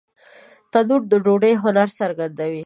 تنور د ډوډۍ هنر څرګندوي